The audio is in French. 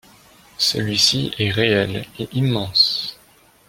Celui-ci est réel et immense.